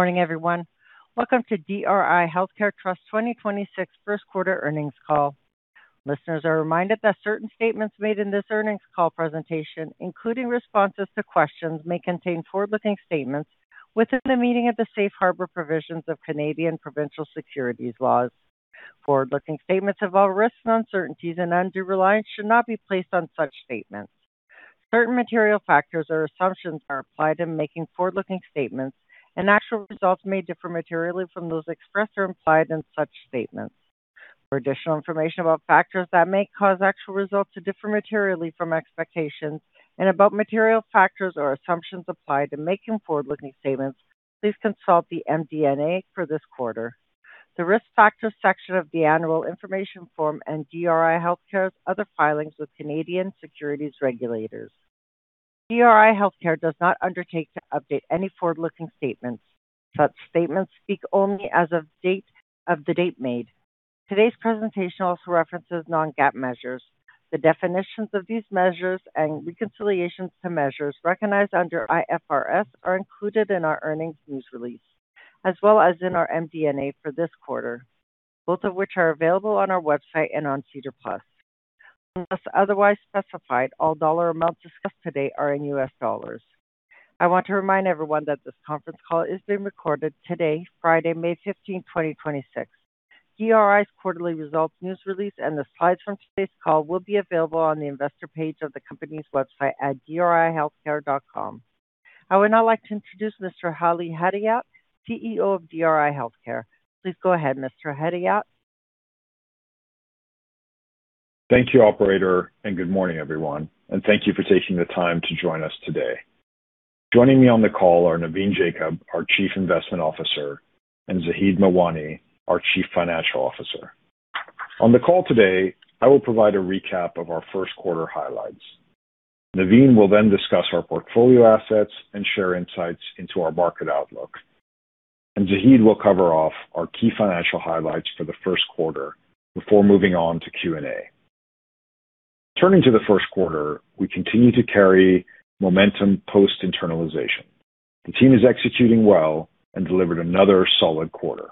Morning, everyone. Welcome to DRI Healthcare Trust 2026 First Quarter Earnings call. Listeners are reminded that certain statements made in this earnings call presentation, including responses to questions, may contain forward-looking statements within the meaning of the Safe Harbor provisions of Canadian provincial securities laws. Forward-looking statements involve risks and uncertainties, and undue reliance should not be placed on such statements. Certain material factors or assumptions are applied in making forward-looking statements, and actual results may differ materially from those expressed or implied in such statements. For additional information about factors that may cause actual results to differ materially from expectations and about material factors or assumptions applied in making forward-looking statements, please consult the MD&A for this quarter. The Risk Factors section of the annual information form and DRI Healthcare's other filings with Canadian securities regulators. DRI Healthcare does not undertake to update any forward-looking statements. Such statements speak only as of the date made. Today's presentation also references non-GAAP measures. The definitions of these measures and reconciliations to measures recognized under IFRS are included in our earnings news release, as well as in our MD&A for this quarter, both of which are available on our website and on SEDAR+. Unless otherwise specified, all dollar amounts discussed today are in US dollars. I want to remind everyone that this conference call is being recorded today, Friday, May 15th, 2026. DRI's quarterly results news release and the slides from today's call will be available on the investor page of the company's website at drihealthcare.com. I would now like to introduce Mr. Ali Hedayat, CEO of DRI Healthcare. Please go ahead, Mr. Hedayat. Thank you, operator. Good morning, everyone, and thank you for taking the time to join us today. Joining me on the call are Navin Jacob, our Chief Investment Officer, and Zaheed Mawani, our Chief Financial Officer. On the call today, I will provide a recap of our first quarter highlights. Navin will then discuss our portfolio assets and share insights into our market outlook. Zaheed will cover off our key financial highlights for the first quarter before moving on to Q&A. Turning to the first quarter, we continue to carry momentum post-internalization. The team is executing well and delivered another solid quarter.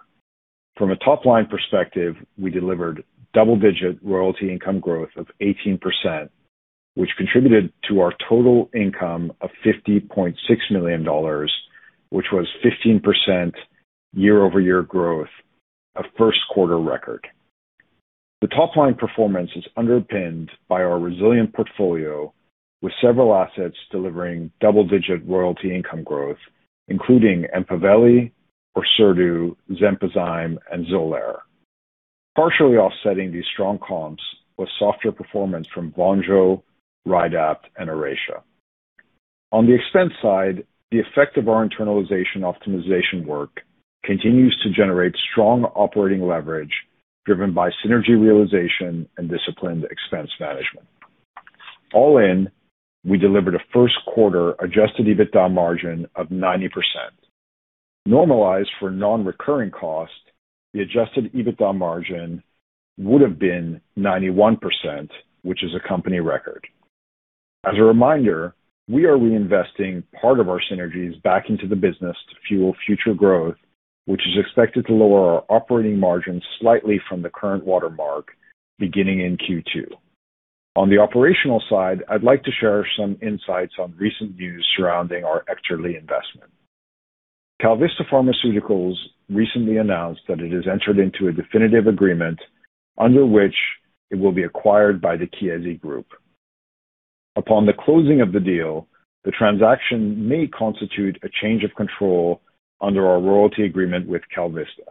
From a top-line perspective, we delivered double-digit royalty income growth of 18%, which contributed to our total income of $50.6 million, which was 15% year-over-year growth, a first quarter record. The top line performance is underpinned by our resilient portfolio, with several assets delivering double-digit royalty income growth, including EMPAVELI, ORSERDU, XENPOZYME, and XOLAIR. Partially offsetting these strong comps was softer performance from VONJO, RYDAPT, and ORACEA. On the expense side, the effect of our internalization optimization work continues to generate strong operating leverage driven by synergy realization and disciplined expense management. All in, we delivered a first quarter adjusted EBITDA margin of 90%. Normalized for non-recurring costs, the adjusted EBITDA margin would have been 91%, which is a company record. As a reminder, we are reinvesting part of our synergies back into the business to fuel future growth, which is expected to lower our operating margins slightly from the current watermark beginning in Q2. On the operational side, I'd like to share some insights on recent news surrounding our EKTERLY investment. KalVista Pharmaceuticals recently announced that it has entered into a definitive agreement under which it will be acquired by the Chiesi Group. Upon the closing of the deal, the transaction may constitute a change of control under our royalty agreement with KalVista.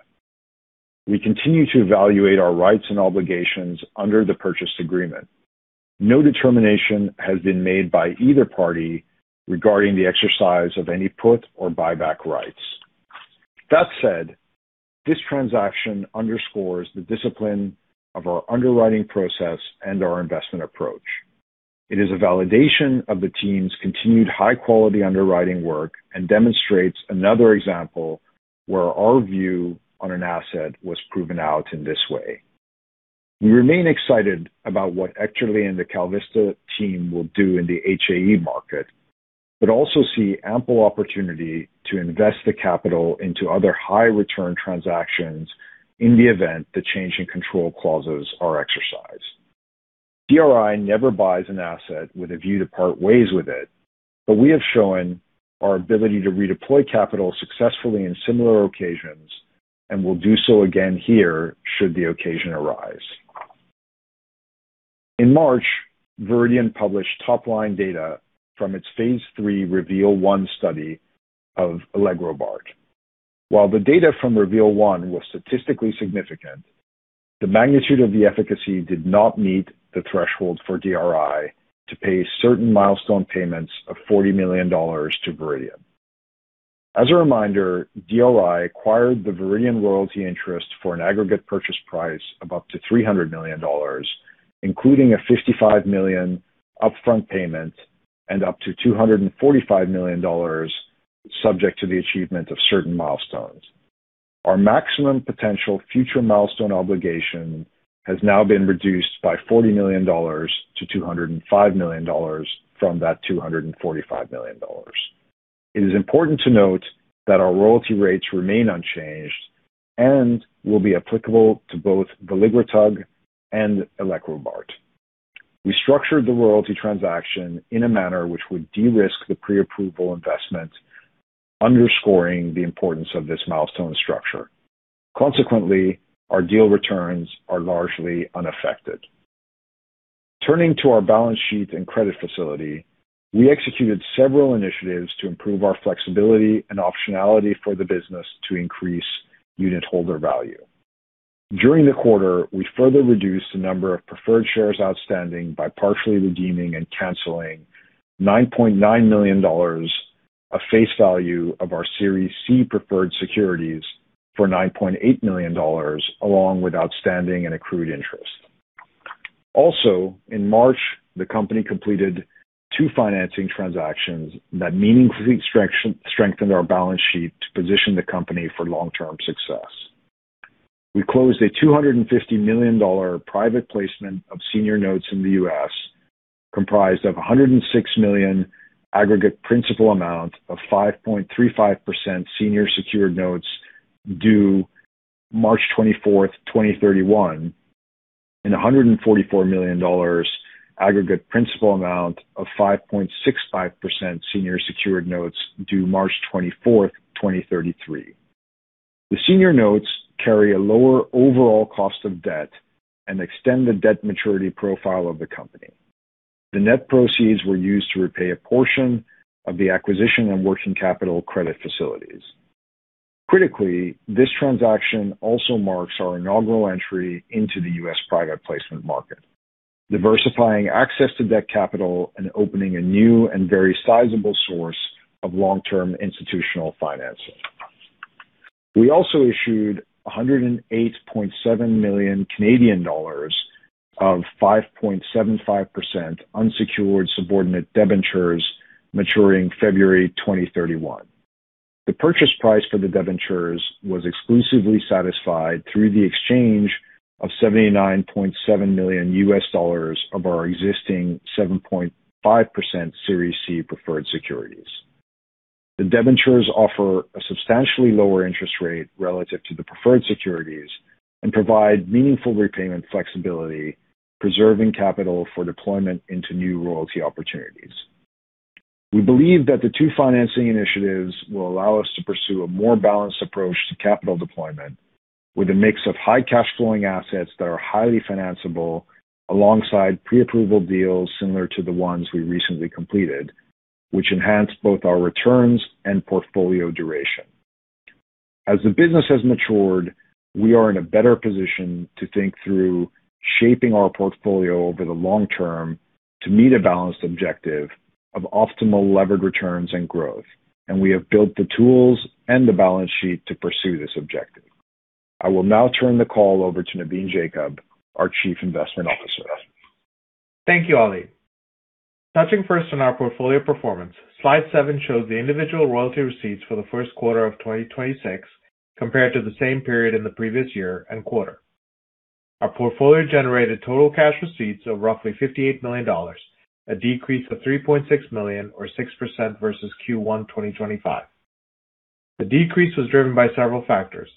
We continue to evaluate our rights and obligations under the purchase agreement. No determination has been made by either party regarding the exercise of any put or buyback rights. That said, this transaction underscores the discipline of our underwriting process and our investment approach. It is a validation of the team's continued high-quality underwriting work and demonstrates another example where our view on an asset was proven out in this way. We remain excited about what EKTERLY and the KalVista team will do in the HAE market, also see ample opportunity to invest the capital into other high return transactions in the event the change in control clauses are exercised. DRI never buys an asset with a view to part ways with it, we have shown our ability to redeploy capital successfully in similar occasions and will do so again here should the occasion arise. In March, Viridian published top-line data from its phase III REVEAL-1 study of elegrobart. While the data from REVEAL-1 was statistically significant, the magnitude of the efficacy did not meet the threshold for DRI to pay certain milestone payments of $40 million to Viridian. As a reminder, DRI acquired the Viridian royalty interest for an aggregate purchase price of up to $300 million, including a $55 million upfront payment and up to $245 million subject to the achievement of certain milestones. Our maximum potential future milestone obligation has now been reduced by $40 million to $205 million from that $245 million. It is important to note that our royalty rates remain unchanged and will be applicable to both veligrotug and elegrobart. We structured the royalty transaction in a manner which would de-risk the pre-approval investment, underscoring the importance of this milestone structure. Consequently, our deal returns are largely unaffected. Turning to our balance sheet and credit facility, we executed several initiatives to improve our flexibility and optionality for the business to increase unit holder value. During the quarter, we further reduced the number of preferred shares outstanding by partially redeeming and canceling $9.9 million of face value of our Series C preferred securities for $9.8 million, along with outstanding and accrued interest. Also, in March, the company completed two financing transactions that meaningfully strengthened our balance sheet to position the company for long-term success. We closed a $250 million private placement of senior notes in the U.S., comprised of $106 million aggregate principal amount of 5.35% senior secured notes due March 24, 2031, and $144 million aggregate principal amount of 5.65% senior secured notes due March 24, 2033. The senior notes carry a lower overall cost of debt and extend the debt maturity profile of the company. The net proceeds were used to repay a portion of the acquisition and working capital credit facilities. Critically, this transaction also marks our inaugural entry into the U.S. private placement market, diversifying access to debt capital and opening a new and very sizable source of long-term institutional financing. We also issued 108.7 million Canadian dollars of 5.75% unsecured subordinate debentures maturing February 2031. The purchase price for the debentures was exclusively satisfied through the exchange of $79.7 million of our existing 7.5% Series C preferred securities. The debentures offer a substantially lower interest rate relative to the preferred securities and provide meaningful repayment flexibility, preserving capital for deployment into new royalty opportunities. We believe that the two financing initiatives will allow us to pursue a more balanced approach to capital deployment with a mix of high cash flowing assets that are highly financiable, alongside pre-approval deals similar to the ones we recently completed, which enhance both our returns and portfolio duration. As the business has matured, we are in a better position to think through shaping our portfolio over the long term to meet a balanced objective of optimal levered returns and growth, and we have built the tools and the balance sheet to pursue this objective. I will now turn the call over to Navin Jacob, our Chief Investment Officer. Thank you, Ali. Touching first on our portfolio performance, slide seven shows the individual royalty receipts for the first quarter of 2026 compared to the same period in the previous year and quarter. Our portfolio generated total cash receipts of roughly $58 million, a decrease of $3.6 million or 6% versus Q1 2025. The decrease was driven by several factors.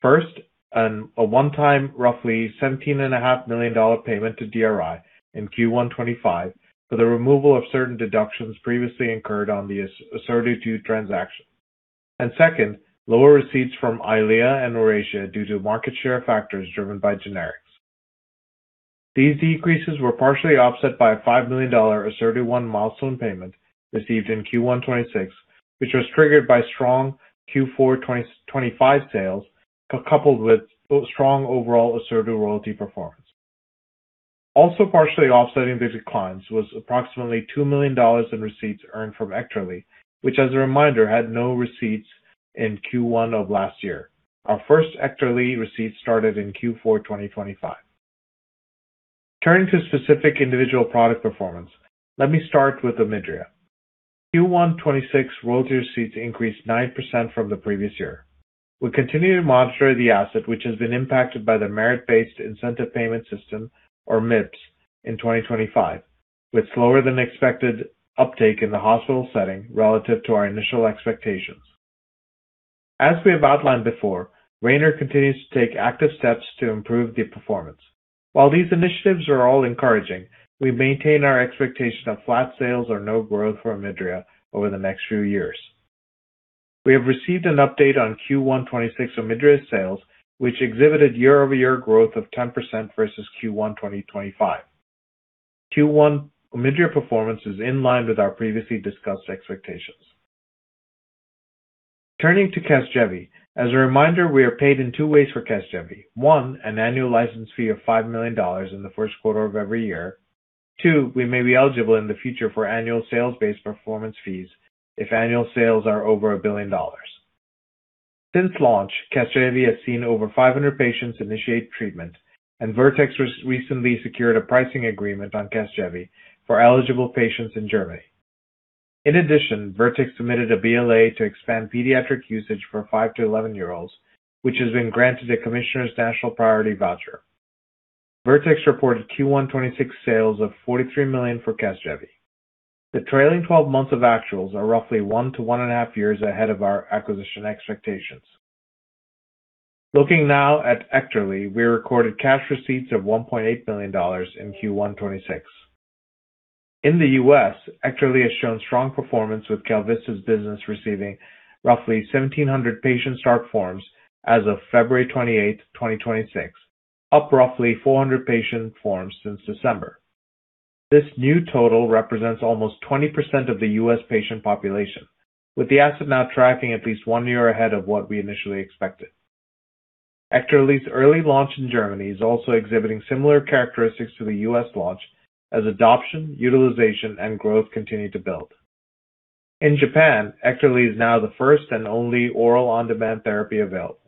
First, a one-time roughly $ 17.5 million payment to DRI in Q1 2025 for the removal of certain deductions previously incurred on the ORSERDU 2 transaction. Second, lower receipts from EYLEA and ORACEA due to market share factors driven by generics. These decreases were partially offset by a $5 million ORSERDU 1 milestone payment received in Q1 2026, which was triggered by strong Q4 2025 sales, coupled with strong overall ASERTI royalty performance. Also partially offsetting these declines was approximately $2 million in receipts earned from EKTERLY, which, as a reminder, had no receipts in Q1 of last year. Our first EKTERLY receipts started in Q4 2025. Turning to specific individual product performance, let me start with OMIDRIA. Q1 2026 royalty receipts increased 9% from the previous year. We continue to monitor the asset, which has been impacted by the Merit-based Incentive Payment System or MIPS in 2025, with slower than expected uptake in the hospital setting relative to our initial expectations. As we have outlined before, Rayner continues to take active steps to improve the performance. While these initiatives are all encouraging, we maintain our expectation of flat sales or no growth for OMIDRIA over the next few years. We have received an update on Q1 2026 OMIDRIA sales, which exhibited year-over-year growth of 10% versus Q1 2025. Q1 OMIDRIA performance is in line with our previously discussed expectations. Turning to CASGEVY. As a reminder, we are paid in two ways for CASGEVY. One, an annual license fee of $5 million in the first quarter of every year. Two, we may be eligible in the future for annual sales-based performance fees if annual sales are over $1 billion. Since launch, CASGEVY has seen over 500 patients initiate treatment. Vertex recently secured a pricing agreement on CASGEVY for eligible patients in Germany. In addition, Vertex submitted a BLA to expand pediatric usage for 5-11 year olds, which has been granted a Commissioner's National Priority Voucher. Vertex reported Q1 2026 sales of $43 million for CASGEVY. The trailing 12 months of actuals are roughly one to one half years ahead of our acquisition expectations. Looking now at EKTERLY, we recorded cash receipts of $1.8 billion in Q1 2026. In the U.S., EKTERLY has shown strong performance, with KalVista's business receiving roughly 1,700 patient start forms as of February 28, 2026, up roughly 400 patient forms since December. This new total represents almost 20% of the U.S. patient population, with the asset now tracking at least one year ahead of what we initially expected. EKTERLY's early launch in Germany is also exhibiting similar characteristics to the U.S. launch as adoption, utilization, and growth continue to build. In Japan, EKTERLY is now the first and only oral on-demand therapy available.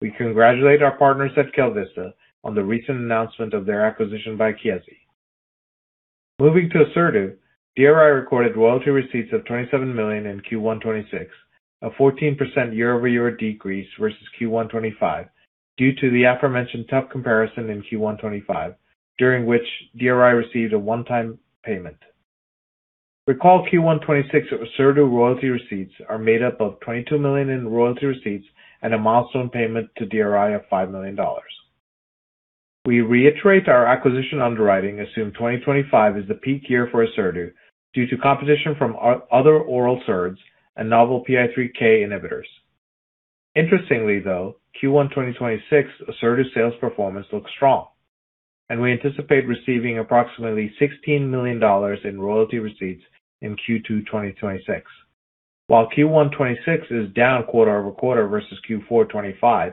We congratulate our partners at KalVista on the recent announcement of their acquisition by Chiesi. Moving to ORSERDU, DRI recorded royalty receipts of $27 million in Q1 2026, a 14% year-over-year decrease versus Q1 2025 due to the aforementioned tough comparison in Q1 2025, during which DRI received a one-time payment. Recall Q1 2026 ORSERDU royalty receipts are made up of $22 million in royalty receipts and a milestone payment to DRI of $5 million. We reiterate our acquisition underwriting assume 2025 is the peak year for ORSERDU due to competition from other oral SERDs and novel PI3K inhibitors. Interestingly, though, Q1 2026 ORSERDU sales performance looks strong, and we anticipate receiving approximately $16 million in royalty receipts in Q2 2026. While Q1 2026 is down quarter-over-quarter versus Q4 2025,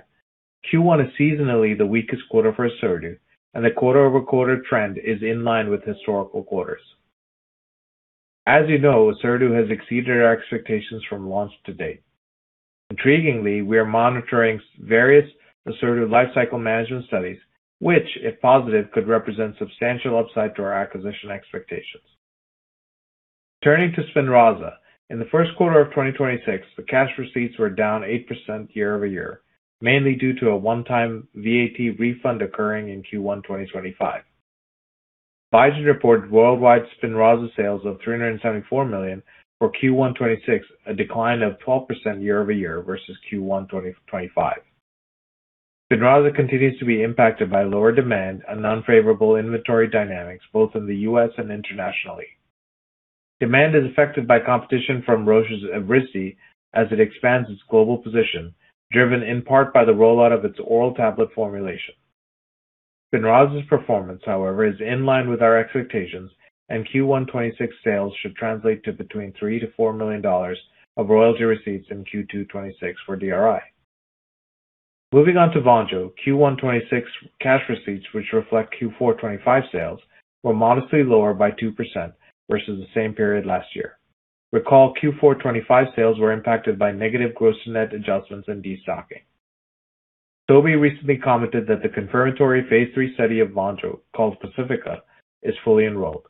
Q1 is seasonally the weakest quarter for ORSERDU, and the quarter-over-quarter trend is in line with historical quarters. As you know, ORSERDU has exceeded our expectations from launch to date. Intriguingly, we are monitoring various ORSERDU lifecycle management studies, which, if positive, could represent substantial upside to our acquisition expectations. Turning to SPINRAZA, in the first quarter of 2026, the cash receipts were down 8% year-over-year, mainly due to a one-time VAT refund occurring in Q1 2025. Biogen reported worldwide SPINRAZA sales of $374 million for Q1 2026, a decline of 12% year-over-year versus Q1 2025. SPINRAZA continues to be impacted by lower demand and unfavorable inventory dynamics both in the U.S. and internationally. Demand is affected by competition from Roche's Evrysdi as it expands its global position, driven in part by the rollout of its oral tablet formulation. SPINRAZA's performance, however, is in line with our expectations, and Q1 2026 sales should translate to between $3 million-$4 million of royalty receipts in Q2 2026 for DRI. Moving on to VONJO, Q1 2026 cash receipts, which reflect Q4 2025 sales, were modestly lower by 2% versus the same period last year. Recall Q4 2025 sales were impacted by negative gross-to-net adjustments and destocking. Sobi recently commented that the confirmatory phase III study of VONJO, called PACIFICA, is fully enrolled.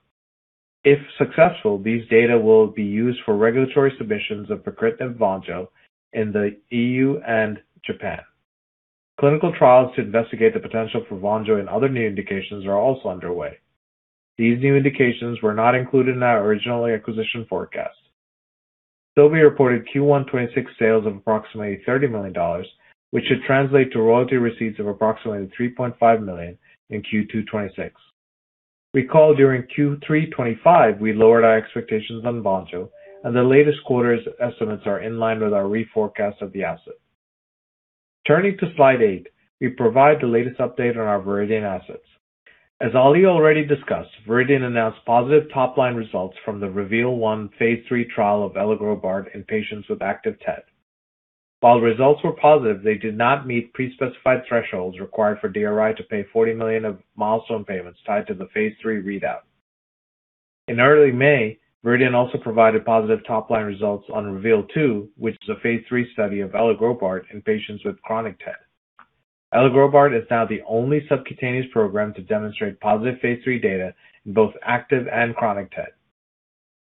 If successful, these data will be used for regulatory submissions of pacritinib VONJO in the EU and Japan. Clinical trials to investigate the potential for VONJO in other new indications are also underway. These new indications were not included in our original acquisition forecast. Sobi reported Q1 2026 sales of approximately $30 million, which should translate to royalty receipts of approximately $3.5 million in Q2 2026. Recall during Q3 2025, we lowered our expectations on VONJO, the latest quarter's estimates are in line with our reforecast of the asset. Turning to slide eight, we provide the latest update on our Viridian assets. As Ali already discussed, Viridian announced positive top-line results from the REVEAL-1 phase III trial of elegrobart in patients with active TED. While results were positive, they did not meet pre-specified thresholds required for DRI to pay $40 million of milestone payments tied to the phase III readout. In early May, Viridian also provided positive top-line results on REVEAL-2, which is a phase III study of elegrobart in patients with chronic TED. Elegrobart is now the only subcutaneous program to demonstrate positive phase III data in both active and chronic TED.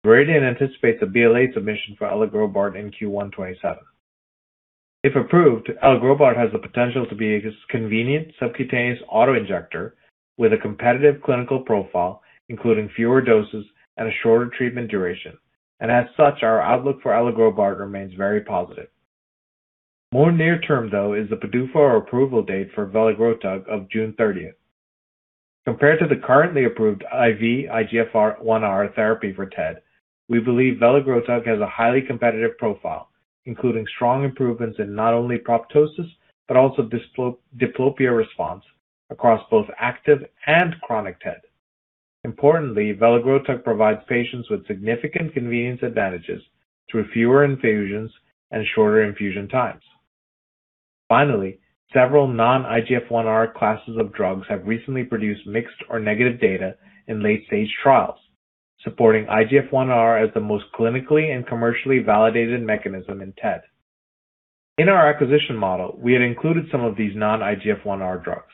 Viridian anticipates a BLA submission for elegrobart in Q1 2027. If approved, elegrobart has the potential to be a convenient subcutaneous auto-injector with a competitive clinical profile, including fewer doses and a shorter treatment duration. As such, our outlook for elegrobart remains very positive. More near term, though, is the PDUFA approval date for veligrotug of June 30th. Compared to the currently approved IV IGF-1R therapy for TED, we believe veligrotug has a highly competitive profile, including strong improvements in not only proptosis, but also diplopia response across both active and chronic TED. Importantly, veligrotug provides patients with significant convenience advantages through fewer infusions and shorter infusion times. Finally, several non-IGF-1R classes of drugs have recently produced mixed or negative data in late-stage trials, supporting IGF-1R as the most clinically and commercially validated mechanism in TED. In our acquisition model, we had included some of these non-IGF-1R drugs.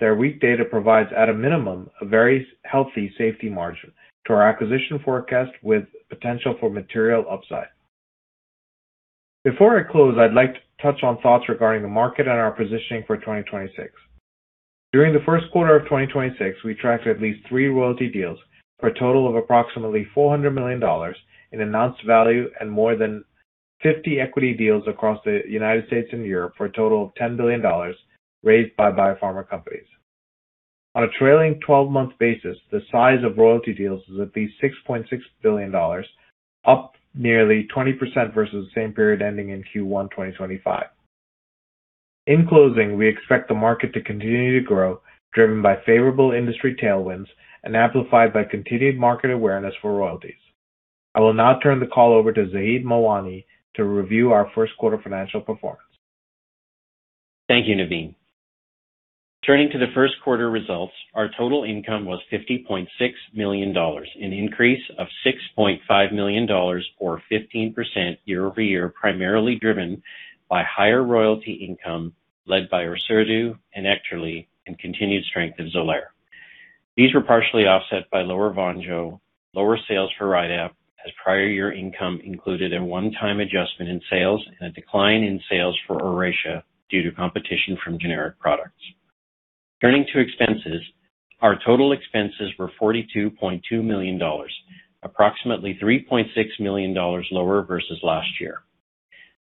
Their weak data provides, at a minimum, a very healthy safety margin to our acquisition forecast with potential for material upside. Before I close, I'd like to touch on thoughts regarding the market and our positioning for 2026. During the first quarter of 2026, we tracked at least three royalty deals for a total of approximately $400 million in announced value and more than 50 equity deals across the United States and Europe for a total of $10 billion raised by biopharma companies. On a trailing 12-month basis, the size of royalty deals is at least $6.6 billion, up nearly 20% versus the same period ending in Q1 2025. In closing, we expect the market to continue to grow, driven by favorable industry tailwinds and amplified by continued market awareness for royalties. I will now turn the call over to Zaheed Mawani to review our first quarter financial performance. Thank you, Navin. Turning to the first quarter results, our total income was $50.6 million, an increase of $6.5 million or 15% year-over-year, primarily driven by higher royalty income led by ORSERDU and EKTERLY and continued strength in XOLAIR. These were partially offset by lower VONJO, lower sales for Rydapt as prior year income included a one-time adjustment in sales and a decline in sales for ORACEA due to competition from generic products. Turning to expenses, our total expenses were $42.2 million, approximately $3.6 million lower versus last year.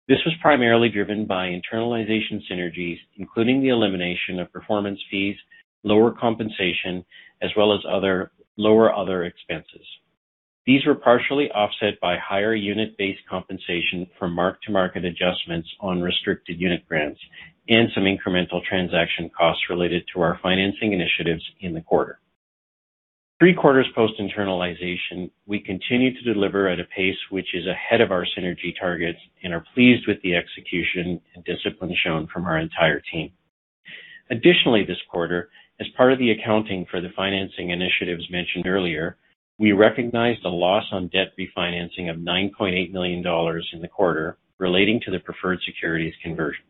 This was primarily driven by internalization synergies, including the elimination of performance fees, lower compensation, as well as lower other expenses. These were partially offset by higher unit-based compensation from mark-to-market adjustments on restricted unit grants and some incremental transaction costs related to our financing initiatives in the quarter. Three quarters post-internalization, we continue to deliver at a pace which is ahead of our synergy targets and are pleased with the execution and discipline shown from our entire team. This quarter, as part of the accounting for the financing initiatives mentioned earlier, we recognized a loss on debt refinancing of $9.8 million in the quarter relating to the preferred securities conversion.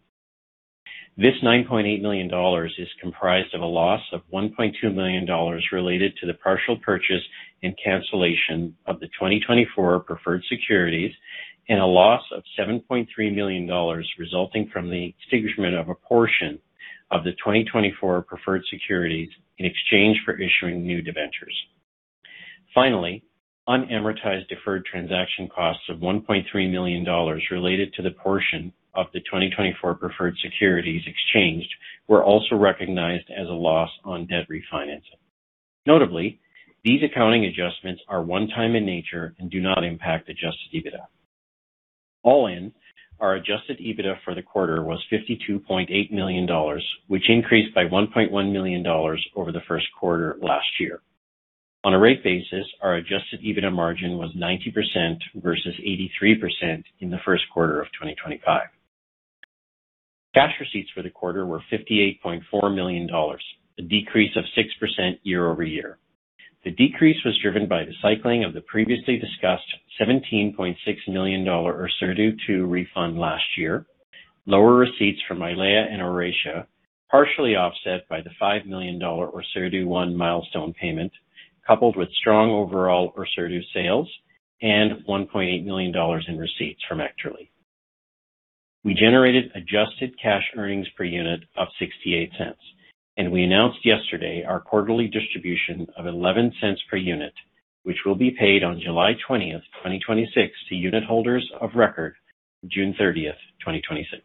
This $9.8 million is comprised of a loss of $1.2 million related to the partial purchase and cancellation of the 2024 preferred securities and a loss of $7.3 million resulting from the extinguishment of a portion of the 2024 preferred securities in exchange for issuing new debentures. Finally, unamortized deferred transaction costs of $1.3 million related to the portion of the 2024 preferred securities exchanged were also recognized as a loss on debt refinancing. Notably, these accounting adjustments are one-time in nature and do not impact adjusted EBITDA. All in, our adjusted EBITDA for the quarter was $52.8 million, which increased by $1.1 million over the first quarter last year. On a rate basis, our adjusted EBITDA margin was 90% versus 83% in the first quarter of 2025. Cash receipts for the quarter were $58.4 million, a decrease of 6% year-over-year. The decrease was driven by the cycling of the previously discussed $17.6 million ORSERDU II refund last year, lower receipts from EYLEA and ORACEA, partially offset by the $5 million ORSERDU I milestone payment, coupled with strong overall ORSERDU sales and $1.8 million in receipts from EKTERLY. We generated adjusted cash earnings per unit of $0.68, and we announced yesterday our quarterly distribution of $0.11 per unit, which will be paid on July 20th, 2026 to unit holders of record June 30th, 2026.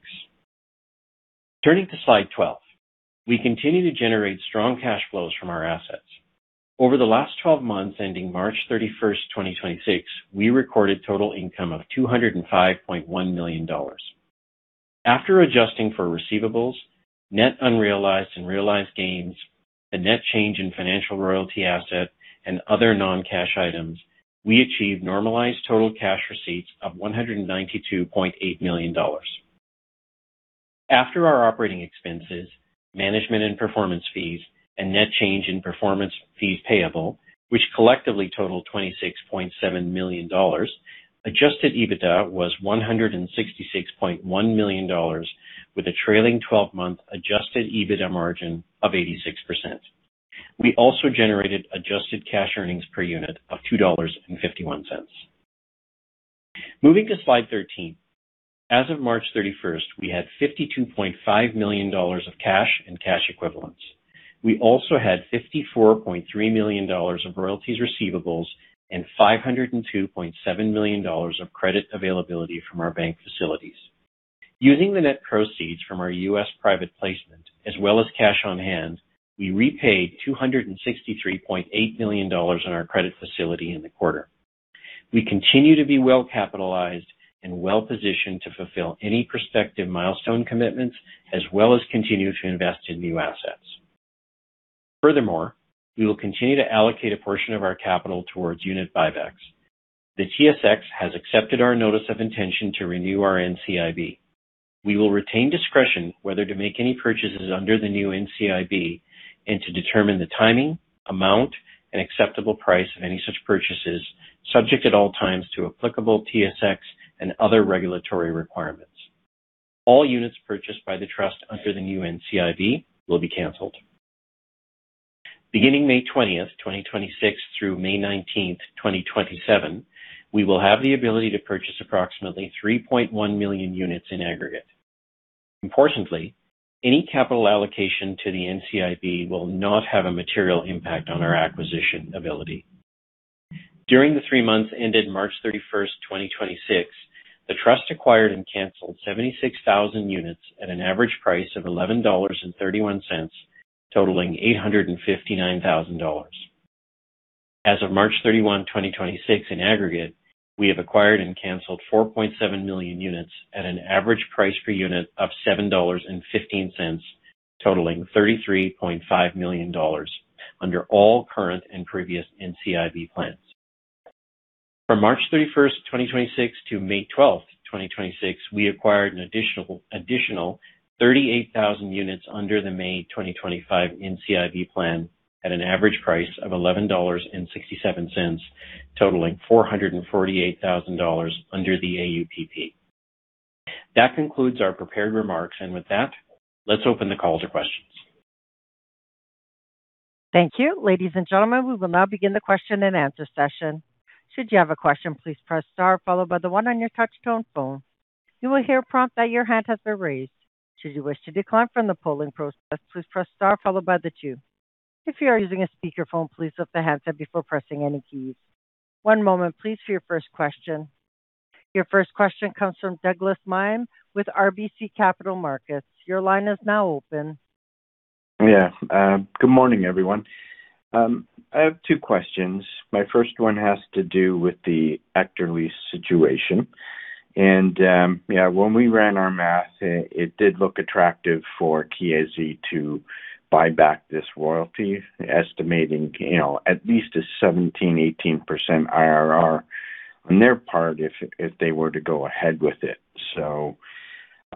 Turning to slide 12. We continue to generate strong cash flows from our assets. Over the last 12 months, ending March 31st, 2026, we recorded total income of $205.1 million. After adjusting for receivables, net unrealized and realized gains, a net change in financial royalty asset and other non-cash items, we achieved normalized total cash receipts of $192.8 million. After our operating expenses, management and performance fees, and net change in performance fees payable, which collectively totaled $26.7 million, adjusted EBITDA was $166.1 million with a trailing 12-month adjusted EBITDA margin of 86%. We also generated adjusted cash earnings per unit of $2.51. Moving to slide 13. As of March 31st, we had $52.5 million of cash and cash equivalents. We also had $54.3 million of royalties receivables and $502.7 million of credit availability from our bank facilities. Using the net proceeds from our U.S. private placement as well as cash on hand, we repaid $263.8 million on our credit facility in the quarter. We continue to be well-capitalized and well-positioned to fulfill any prospective milestone commitments as well as continue to invest in new assets. We will continue to allocate a portion of our capital towards unit buybacks. The TSX has accepted our notice of intention to renew our NCIB. We will retain discretion whether to make any purchases under the new NCIB and to determine the timing, amount, and acceptable price of any such purchases, subject at all times to applicable TSX and other regulatory requirements. All units purchased by the trust under the new NCIB will be canceled. Beginning May 20th, 2026 through May 19th, 2027, we will have the ability to purchase approximately 3.1 million units in aggregate. Importantly, any capital allocation to the NCIB will not have a material impact on our acquisition ability. During the three months ended March 31st, 2026, the trust acquired and canceled 76,000 units at an average price of $11.31, totaling $859,000. As of March 31, 2026, in aggregate, we have acquired and canceled 4.7 million units at an average price per unit of $7.15, totaling $33.5 million under all current and previous NCIB plans. From March 31st, 2026 to May 12th, 2026, we acquired an additional 38,000 units under the May 2025 NCIB plan at an average price of $11.67, totaling $448,000 under the AUPP. That concludes our prepared remarks. With that, let's open the call to questions. Thank you. Ladies and gentlemen, we will now begin the question and answer session. Should you have a question, please press star followed by the one on your touch-tone phone. You will hear a prompt that your hand has been raised. Should you wish to decline from the polling process, please press star followed by the two. If you are using a speakerphone, please lift the handset before pressing any keys. One moment please for your first question. Your first question comes from Douglas Miehm with RBC Capital Markets. Your line is now open. Good morning, everyone. I have two questions. My first one has to do with the EKTERLY situation. When we ran our math, it did look attractive for KalVista to buy back this royalty, estimating, you know, at least a 17%-18% IRR on their part if they were to go ahead with it.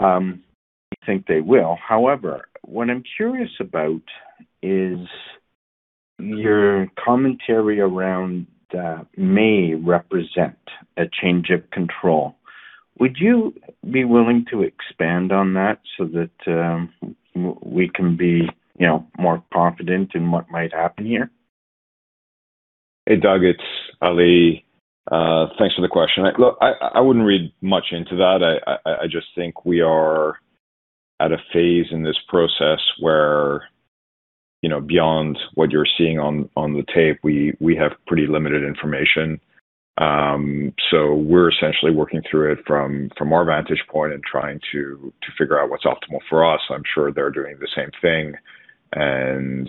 I think they will. However, what I'm curious about is your commentary around that may represent a change of control. Would you be willing to expand on that so that we can be, you know, more confident in what might happen here? Hey, Doug, it's Ali. Thanks for the question. Look, I wouldn't read much into that. I just think we are at a phase in this process where, you know, beyond what you're seeing on the tape, we have pretty limited information. So we're essentially working through it from our vantage point and trying to figure out what's optimal for us. I'm sure they're doing the same thing.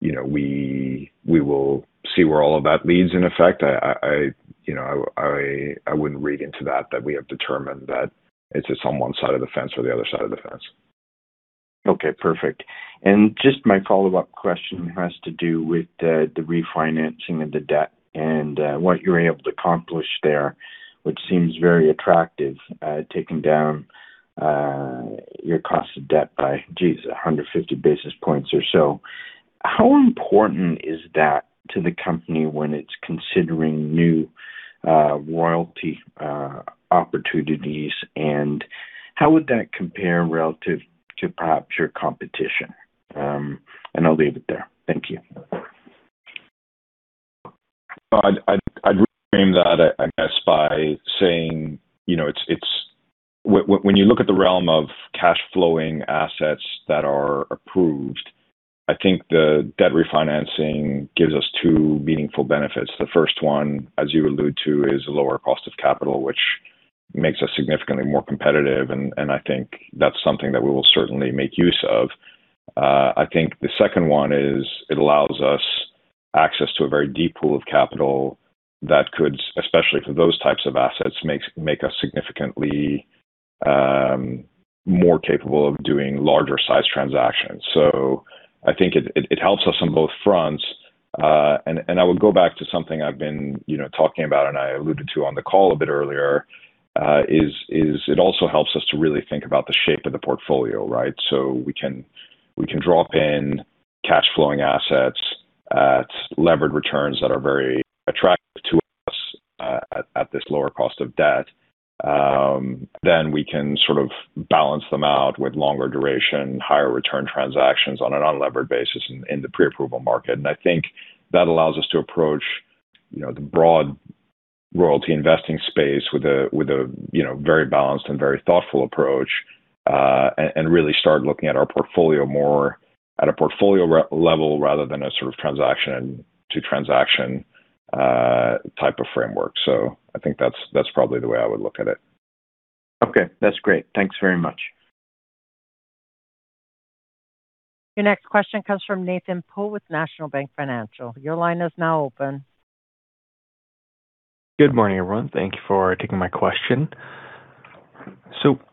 You know, we will see where all of that leads in effect. I, you know, I wouldn't read into that we have determined that it's on one side of the fence or the other side of the fence. Okay, perfect. Just my follow-up question has to do with the refinancing of the debt, what you were able to accomplish there, which seems very attractive, taking down your cost-of-debt by, geez, 150 basis points or so. How important is that to the company when it's considering new royalty opportunities, and how would that compare relative to perhaps your competition? I'll leave it there. Thank you. I'd reframe that, I guess by saying, you know, it's when you look at the realm of cash flowing assets that are approved, I think the debt refinancing gives us two meaningful benefits. The first one, as you allude to, is a lower cost of capital, which makes us significantly more competitive, and I think that's something that we will certainly make use of. I think the second one is it allows us access to a very deep pool of capital that could, especially for those types of assets, make us significantly more capable of doing larger size transactions. I think it helps us on both fronts. I would go back to something I've been, you know, talking about and I alluded to on the call a bit earlier, is it also helps us to really think about the shape of the portfolio, right? We can drop in cash flowing assets at levered returns that are very attractive to us at this lower cost-of-debt. We can sort of balance them out with longer duration, higher return transactions on an unlevered basis in the pre-approval market. I think that allows us to approach, you know, the broad royalty investing space with a, you know, very balanced and very thoughtful approach, and really start looking at our portfolio more at a portfolio level rather than a sort of transaction to transaction type of framework. I think that's probably the way I would look at it. Okay, that's great. Thanks very much. Your next question comes from Nathan Po with National Bank Financial. Your line is now open. Good morning, everyone. Thank you for taking my question.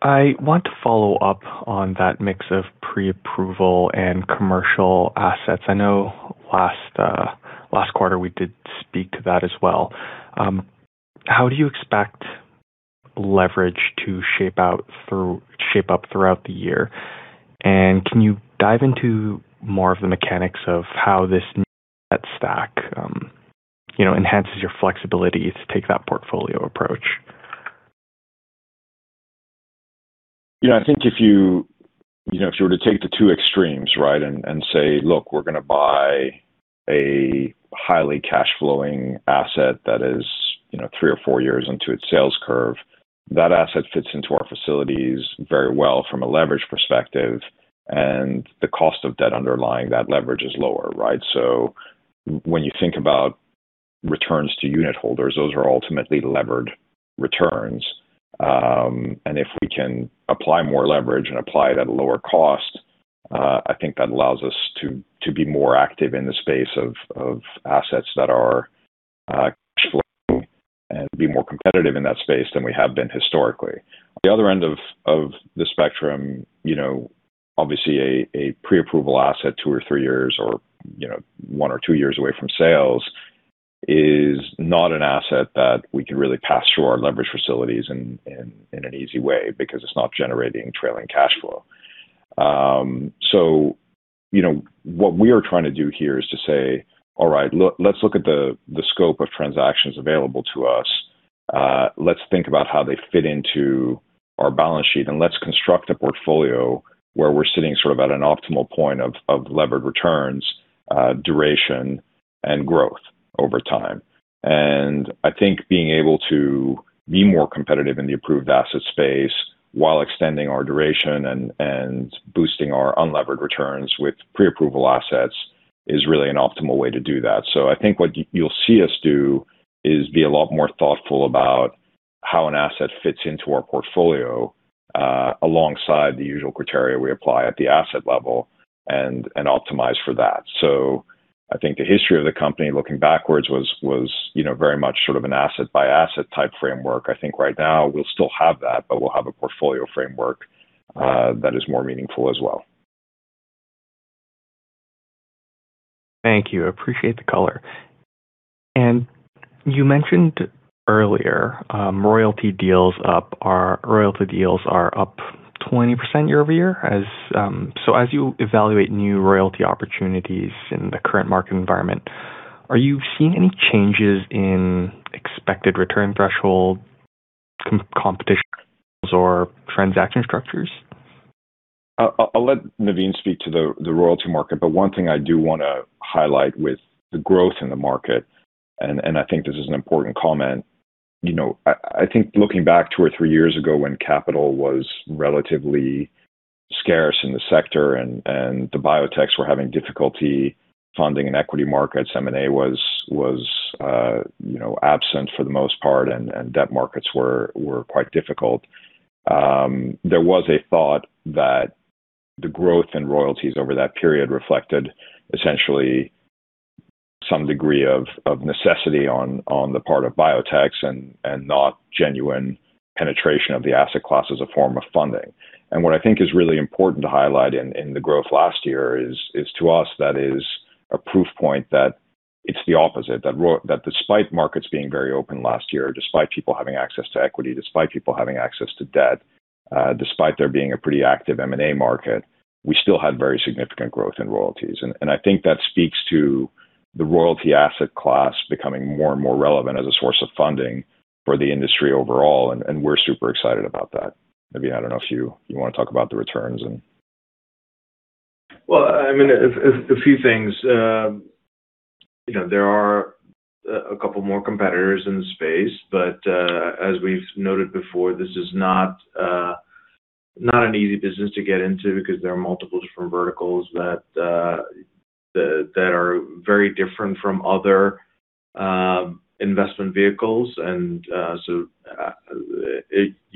I want to follow up on that mix of pre-approval and commercial assets. I know last quarter, we did speak to that as well. How do you expect leverage to shape up throughout the year? Can you dive into more of the mechanics of how this new debt stack, you know, enhances your flexibility to take that portfolio approach? You know, I think if you know, if you were to take the two extremes, right, and say, Look, we're gonna buy a highly cash flowing asset that is, you know, three or four years into its sales curve, that asset fits into our facilities very well from a leverage perspective, and the cost of debt underlying that leverage is lower, right? When you think about returns to unit holders, those are ultimately levered returns. If we can apply more leverage and apply it at a lower cost, I think that allows us to be more active in the space of assets that are cash flowing and be more competitive in that space than we have been historically. On the other end of the spectrum, you know, obviously a pre-approval asset two or three years or, you know, one or two years away from sales is not an asset that we can really pass through our leverage facilities in an easy way because it's not generating trailing cash flow. you know, what we are trying to do here is to say, All right. Let's look at the scope of transactions available to us. Let's think about how they fit into our balance sheet, and let's construct a portfolio where we're sitting sort of at an optimal point of levered returns, duration and growth over time. I think being able to be more competitive in the approved asset space while extending our duration and boosting our unlevered returns with pre-approval assets is really an optimal way to do that. I think what you'll see us do is be a lot more thoughtful about how an asset fits into our portfolio, alongside the usual criteria we apply at the asset level and optimize for that. I think the history of the company looking backwards was, you know, very much sort of an asset by asset type framework. I think right now we'll still have that, but we'll have a portfolio framework that is more meaningful as well. Thank you. Appreciate the color. You mentioned earlier, royalty deals are up 20% year-over-year. As you evaluate new royalty opportunities in the current market environment, are you seeing any changes in expected return threshold, competition or transaction structures? I'll let Navin speak to the royalty market, but one thing I do wanna highlight with the growth in the market, and I think this is an important comment, you know, I think looking back two or three years ago when capital was relatively scarce in the sector and the biotechs were having difficulty funding an equity market, M&A was, you know, absent for the most part and debt markets were quite difficult, there was a thought that the growth in royalties over that period reflected essentially some degree of necessity on the part of biotechs and not genuine penetration of the asset class as a form of funding. What I think is really important to highlight in the growth last year is to us that is a proof point that it's the opposite, that despite markets being very open last year, despite people having access to equity, despite people having access to debt, despite there being a pretty active M&A market, we still had very significant growth in royalties. I think that speaks to the royalty asset class becoming more and more relevant as a source of funding for the industry overall, and we're super excited about that. Navin, I don't know if you wanna talk about the returns and Well, I mean, a few things. You know, there are a couple more competitors in the space, but as we've noted before, this is not an easy business to get into because there are multiple different verticals that are very different from other investment vehicles. You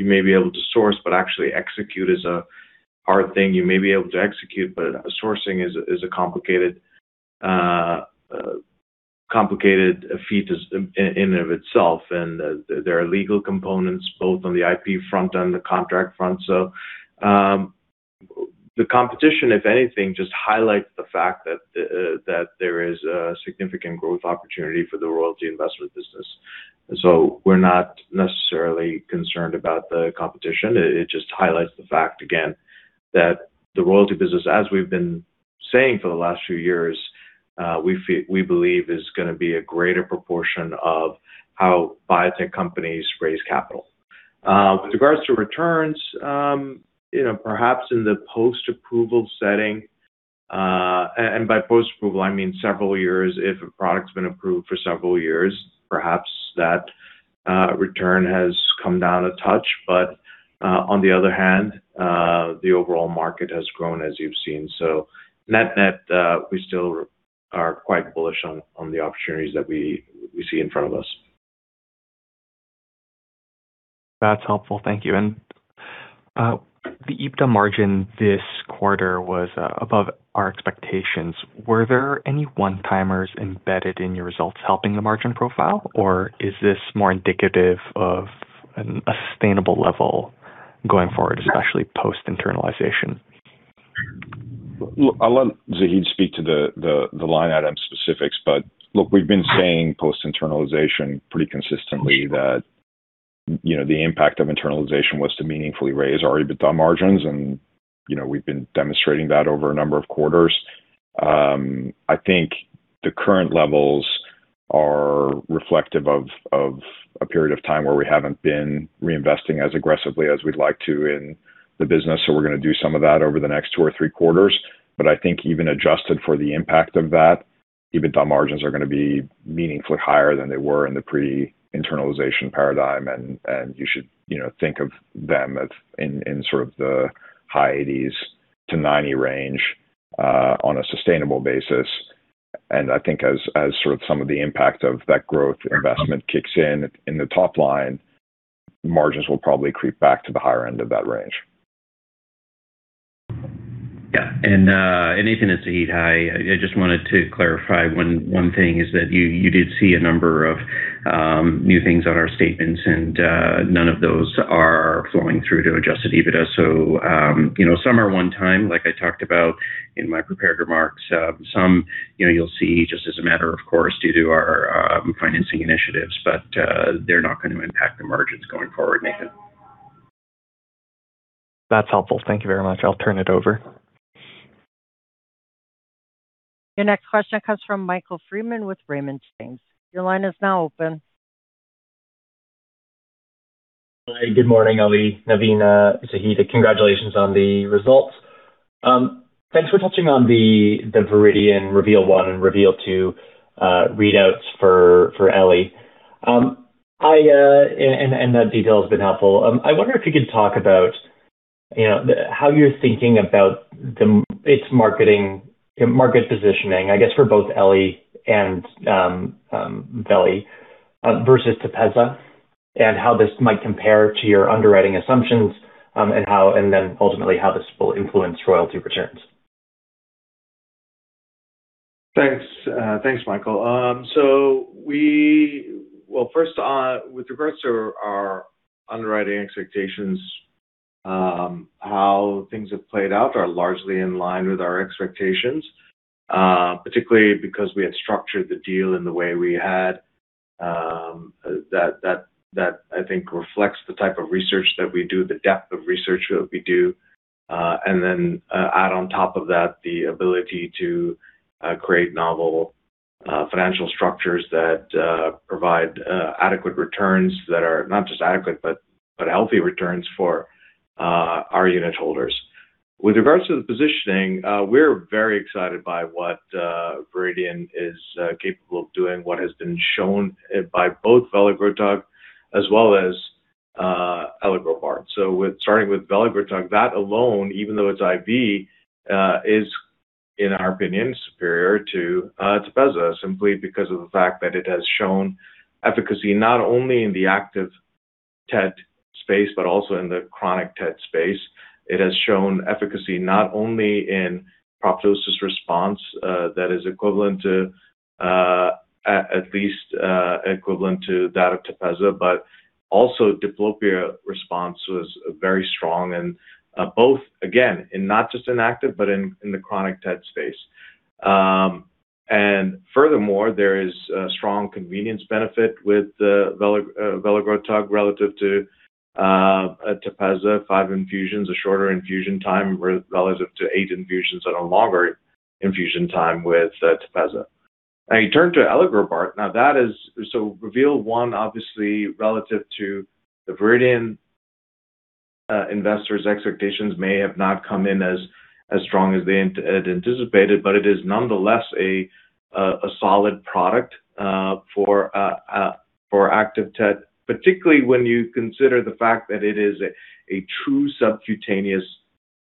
may be able to source, but actually execute is a hard thing. You may be able to execute, but sourcing is a complicated feat as in and of itself. There are legal components both on the IP front and the contract front. The competition, if anything, just highlights the fact that there is a significant growth opportunity for the royalty investment business. We're not necessarily concerned about the competition. It just highlights the fact again that the royalty business, as we've been saying for the last few years, we believe is gonna be a greater proportion of how biotech companies raise capital. With regards to returns, you know, perhaps in the post-approval setting, and by post-approval I mean several years, if a product's been approved for several years, perhaps that return has come down a touch. On the other hand, the overall market has grown as you've seen. Net-net, we still are quite bullish on the opportunities that we see in front of us. That's helpful. Thank you. The EBITDA margin this quarter was above our expectations. Were there any one-timers embedded in your results helping the margin profile, or is this more indicative of a sustainable level going forward, especially post-internalization? Look, I'll let Zaheed speak to the line item specifics, but look, we've been saying post-internalization pretty consistently that, you know, the impact of internalization was to meaningfully raise our EBITDA margins and, you know, we've been demonstrating that over a number of quarters. I think the current levels are reflective of a period of time where we haven't been reinvesting as aggressively as we'd like to in the business, so we're gonna do some of that over the next two or three quarters. I think even adjusted for the impact of that, EBITDA margins are gonna be meaningfully higher than they were in the pre-internalization paradigm and, you know, think of them as in sort of the high 80%s-90% range on a sustainable basis. I think as sort of some of the impact of that growth investment kicks in the top line, margins will probably creep back to the higher end of that range. Yeah. Nathan its Zaheed, hi. I just wanted to clarify one thing is that you did see a number of new things on our statements, none of those are flowing through to adjusted EBITDA. You know, some are one time, like I talked about in my prepared remarks. Some, you know, you'll see just as a matter of course due to our financing initiatives. They're not gonna impact the margins going forward, Nathan. That is helpful. Thank you very much. I will turn it over. Your next question comes from Michael Freeman with Raymond James. Your line is now open. Hi, good morning, Ali, Navin, Zaheed. Congratulations on the results. Thanks for touching on the Viridian REVEAL-1 and REVEAL-2 readouts for elegrobart. That detail has been helpful. I wonder if you could talk about, you know, how you're thinking about its market positioning, I guess, for both elegrobart and veligrotug versus TEPEZZA, and how this might compare to your underwriting assumptions, then ultimately how this will influence royalty returns. Thanks. Thanks, Michael. First, with regards to our underwriting expectations, how things have played out are largely in line with our expectations, particularly because we had structured the deal in the way we had, that I think reflects the type of research that we do, the depth of research that we do. Then, add on top of that the ability to create novel financial structures that provide adequate returns that are not just adequate, but healthy returns for our unitholders. With regards to the positioning, we're very excited by what Viridian is capable of doing, what has been shown by both veligrotug as well as elegrobart. With starting with veligrotug, that alone, even though it's IV, is in our opinion, superior to TEPEZZA simply because of the fact that it has shown efficacy not only in the active TED space, but also in the chronic TED space. It has shown efficacy not only in apoptosis response, that is equivalent to at least equivalent to that of TEPEZZA, but also diplopia response was very strong and both again, in not just in active but in the chronic TED space. Furthermore, there is a strong convenience benefit with the veligrotug relative to TEPEZZA, five infusions, a shorter infusion time relative to eight infusions and a longer infusion time with TEPEZZA. Now you turn to elegrobart. Now that is REVEAL-1 obviously relative to the Viridian investors' expectations may have not come in as strong as they had anticipated, but it is nonetheless a solid product for active TED, particularly when you consider the fact that it is a true subcutaneous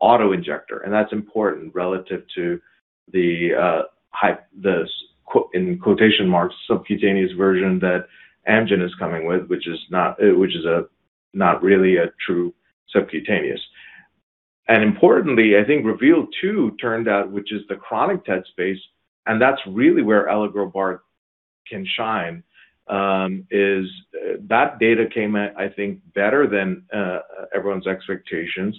auto-injector. That's important relative to the hype, the subcutaneous version that Amgen is coming with, which is not really a true subcutaneous. Importantly, I think REVEAL-2 turned out, which is the chronic TED space, and that's really where elegrobart can shine, is that data came out, I think, better than everyone's expectations.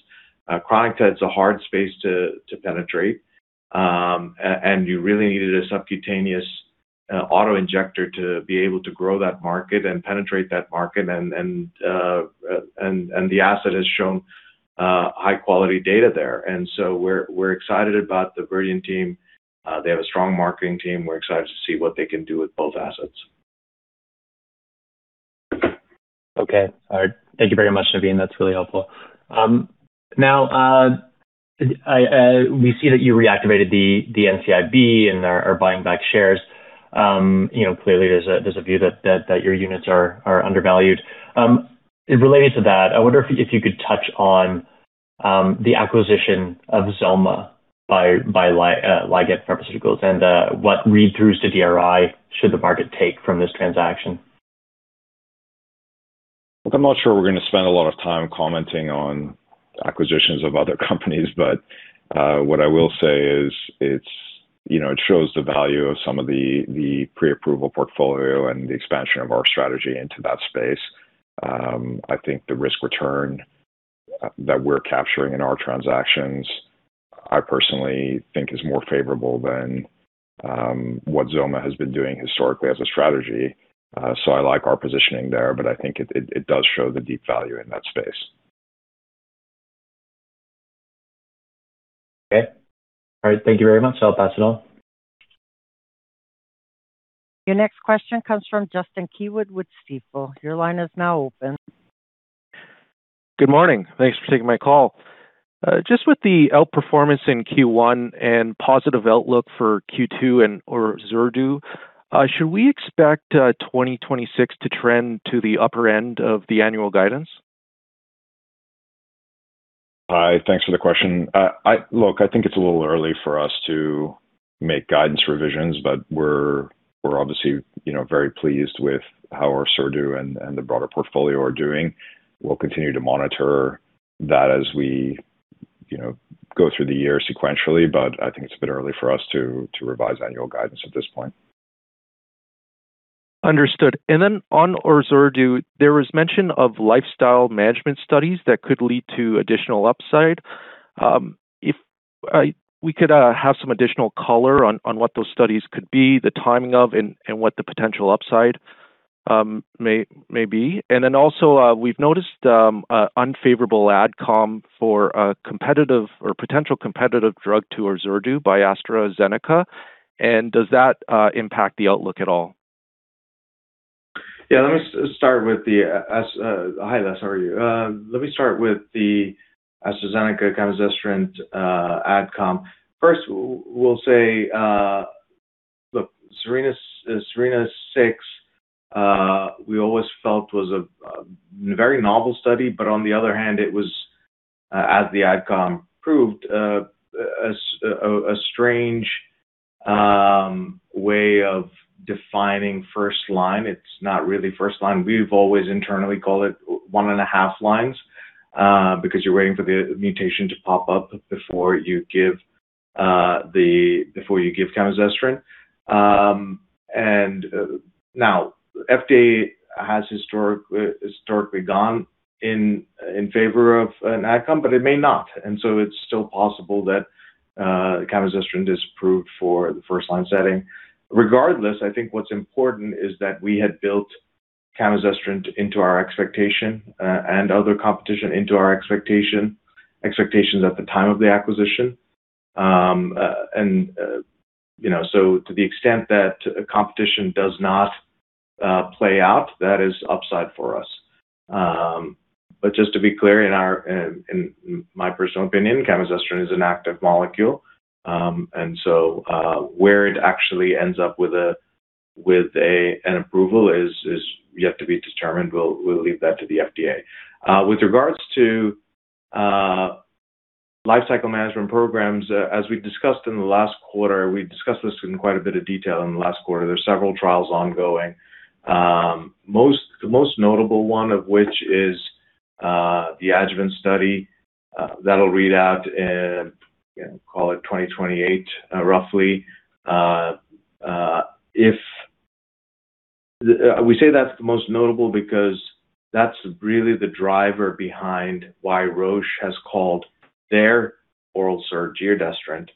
Chronic TED's a hard space to penetrate. You really needed a subcutaneous auto-injector to be able to grow that market and penetrate that market and the asset has shown high quality data there. We're excited about the Viridian team. They have a strong marketing team. We're excited to see what they can do with both assets. Okay. All right. Thank you very much, Navin. That's really helpful. Now, We see that you reactivated the NCIB and are buying back shares. You know, clearly there's a, there's a view that, that your units are undervalued. Related to that, I wonder if you could touch on the acquisition of XOMA by Ligand Pharmaceuticals and what read-throughs to DRI should the market take from this transaction? Look, I'm not sure we're gonna spend a lot of time commenting on acquisitions of other companies. You know, it shows the value of some of the pre-approval portfolio and the expansion of our strategy into that space. I think the risk return that we're capturing in our transactions, I personally think is more favorable than what XOMA has been doing historically as a strategy. I like our positioning there. I think it does show the deep value in that space. Okay. All right. Thank you very much. I'll pass it on. Your next question comes from Justin Keywood with Stifel. Your line is now open. Good morning. Thanks for taking my call. Just with the outperformance in Q1 and positive outlook for Q2 and ORSERDU, should we expect 2026 to trend to the upper end of the annual guidance? Hi, thanks for the question. Look, I think it's a little early for us to make guidance revisions, but we're obviously, you know, very pleased with how ORSERDU and the broader portfolio are doing. We'll continue to monitor that as we, you know, go through the year sequentially, but I think it's a bit early for us to revise annual guidance at this point. Understood. On ORSERDU, there was mention of lifestyle management studies that could lead to additional upside. If we could have some additional color on what those studies could be, the timing of, and what the potential upside may be. Also, we've noticed unfavorable adcom for a competitive or potential competitive drug to ORSERDU by AstraZeneca. Does that impact the outlook at all? Yeah, hi Les, how are you? Let me start with the AstraZeneca camizestrant adcom. First we'll say, look, SERENA-6, we always felt was a very novel study, but on the other hand, it was, as the adcom proved, a strange way of defining first line. It's not really first line. We've always internally called it one and a half lines, because you're waiting for the mutation to pop up before you give camizestrant. Now FDA has historically gone in favor of an adcom, but it may not. It's still possible that camizestrant is approved for the first line setting. Regardless, I think what's important is that we had built camizestrant into our expectation and other competition into our expectation at the time of the acquisition. You know, to the extent that competition does not play out, that is upside for us. Just to be clear, in my personal opinion, camizestrant is an active molecule. Where it actually ends up with an approval is yet to be determined. We'll leave that to the FDA. With regards to life cycle management programs, as we discussed in the last quarter, we discussed this in quite a bit of detail in the last quarter. There's several trials ongoing. The most notable one of which is the adjuvant study that will read out in, call it 2028, roughly. We say that is the most notable because that is really the driver behind why Roche has called their oral SERD, giredestrant.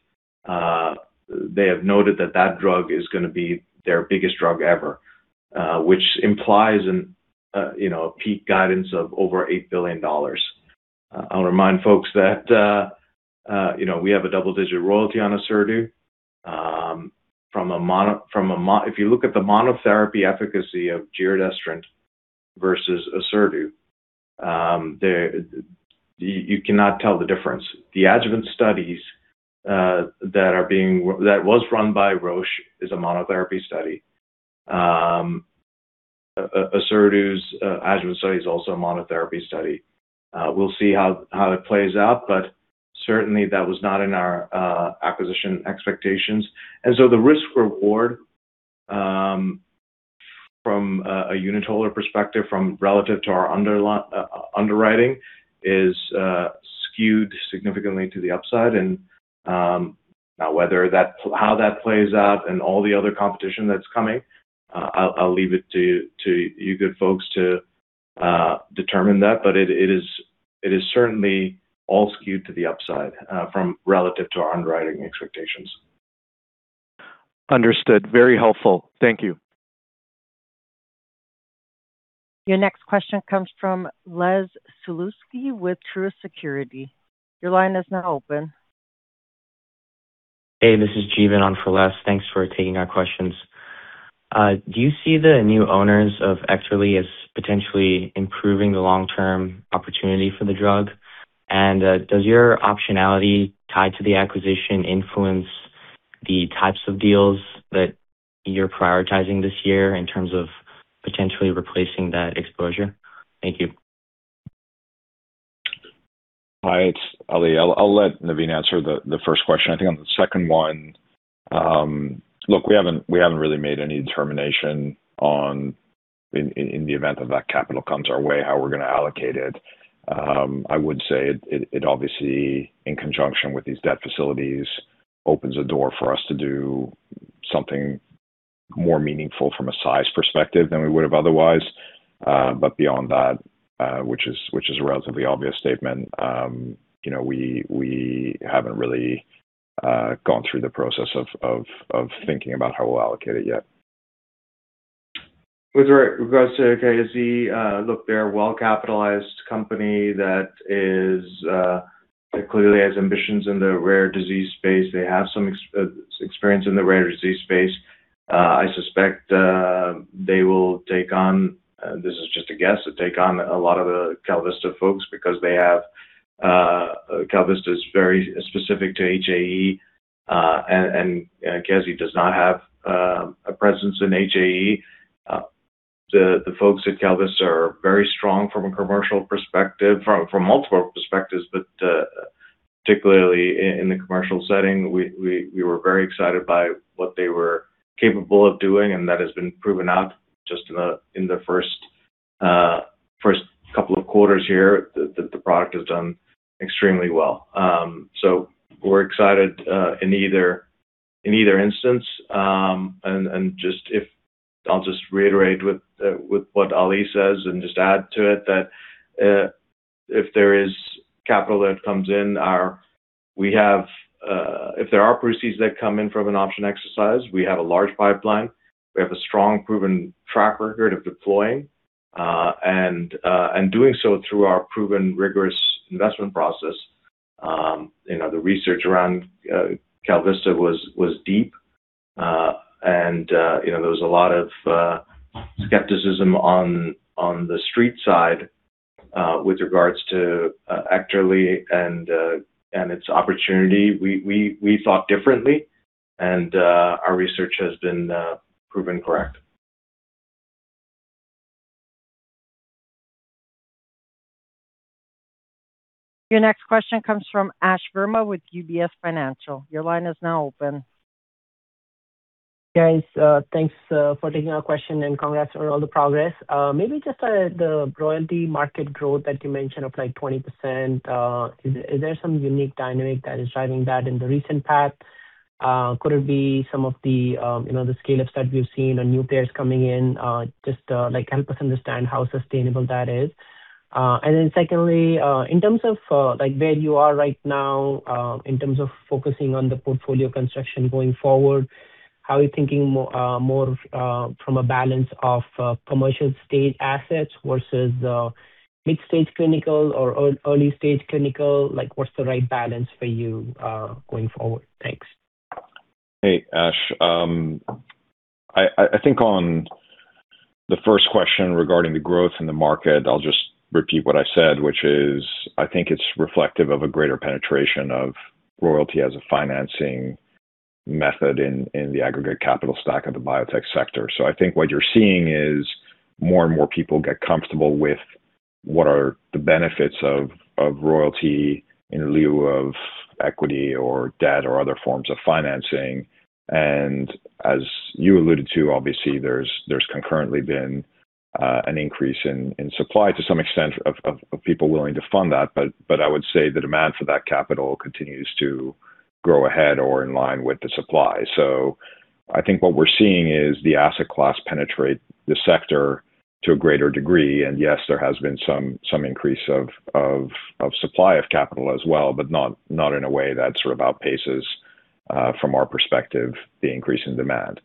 They have noted that that drug is gonna be their biggest drug ever, which implies an, you know, a peak guidance of over $8 billion. I'll remind folks that, you know, we have a double-digit royalty on ORSERDU. If you look at the monotherapy efficacy of giredestrant versus ORSERDU, you cannot tell the difference. The adjuvant studies that are being that was run by Roche is a monotherapy study. ORSERDU's adjuvant study is also a monotherapy study. We'll see how it plays out, but certainly that was not in our acquisition expectations. The risk reward from a unit holder perspective from relative to our underwriting is skewed significantly to the upside. Now whether that how that plays out and all the other competition that's coming, I'll leave it to you good folks to determine that. It is certainly all skewed to the upside from relative to our underwriting expectations. Understood. Very helpful. Thank you. Your next question comes from Les Sulewski with Truist Securities. Your line is now open. Hey, this is Jeevan on for Les. Thanks for taking our questions. Do you see the new owners of EKTERLY as potentially improving the long-term opportunity for the drug? Does your optionality tied to the acquisition influence the types of deals that you're prioritizing this year in terms of potentially replacing that exposure? Thank you. Hi, it's Ali. I'll let Navin answer the first question. I think on the second one, look, we haven't really made any determination on, in the event that that capital comes our way, how we're gonna allocate it. I would say it obviously, in conjunction with these debt facilities, opens a door for us to do something more meaningful from a size perspective than we would have otherwise. Beyond that, which is a relatively obvious statement, you know, we haven't really gone through the process of thinking about how we'll allocate it yet. With regards to KZIA, look, they're a well-capitalized company that is that clearly has ambitions in the rare disease space. They have some experience in the rare disease space. I suspect they will take on, this is just a guess, but take on a lot of the KalVista folks because they have. KalVista is very specific to HAE, and KZIA does not have a presence in HAE. The folks at KalVista are very strong from a commercial perspective, from multiple perspectives, but particularly in the commercial setting, we were very excited by what they were capable of doing, and that has been proven out just in the first couple of quarters here, the product has done extremely well. We're excited in either instance. Just if I'll just reiterate what with what Ali says and just add to it that if there are proceeds that come in from an option exercise, we have a large pipeline, we have a strong proven track record of deploying and doing so through our proven rigorous investment process. You know, the research around KalVista was deep. You know, there was a lot of skepticism on the street side with regards to EKTERLY and its opportunity. We thought differently, our research has been proven correct. Your next question comes from Ash Verma with UBS. Your line is now open. Guys, thanks for taking our question, and congrats on all the progress. Maybe just the royalty market growth that you mentioned of like 20%, is there some unique dynamic that is driving that in the recent past? Could it be some of the, you know, the scale-ups that we've seen or new players coming in? Just like help us understand how sustainable that is. Then secondly, in terms of like where you are right now, in terms of focusing on the portfolio construction going forward, how are you thinking more of from a balance of commercial stage assets versus mid-stage clinical or early-stage clinical? Like, what's the right balance for you going forward? Thanks. Hey, Ash. I think on the first question regarding the growth in the market, I'll just repeat what I said, which is, I think it's reflective of a greater penetration of royalty as a financing method in the aggregate capital stack of the biotech sector. I think what you're seeing is more and more people get comfortable with what are the benefits of royalty in lieu of equity or debt or other forms of financing. As you alluded to, obviously, there's concurrently been an increase in supply to some extent of people willing to fund that. I would say the demand for that capital continues to grow ahead or in line with the supply. I think what we're seeing is the asset class penetrate the sector to a greater degree. Yes, there has been some increase of supply of capital as well, but not in a way that sort of outpaces from our perspective, the increase in demand.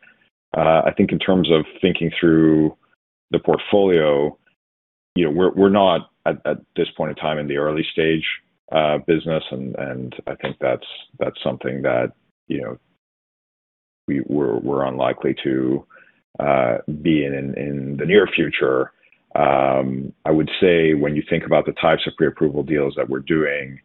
I think in terms of thinking through the portfolio, you know, we're not at this point in time in the early stage business and I think that's something that, you know, we're unlikely to be in in the near future. I would say when you think about the types of pre-approval deals that we're doing,